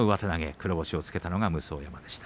黒星をつけたのが武双山でした。